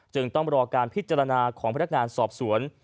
ต้องรอการพิจารณาของพนักงานสอบสวน